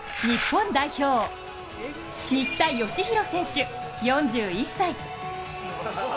日本代表、新田佳浩選手４１歳。